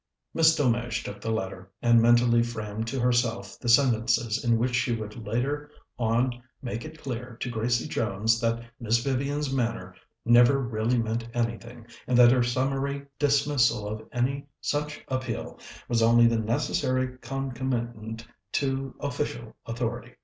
Miss Delmege took the letter, and mentally framed to herself the sentences in which she would later on make it clear to Gracie Jones that Miss Vivian's manner never really meant anything, and that her summary dismissal of any such appeal was only the necessary concomitant to official authority.